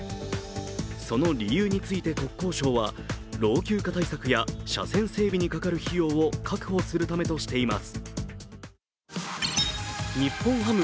その理由について国交省は、老朽化対策や車線整備にかかる費用を確保するためとしています。